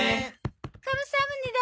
カムサハムニダ！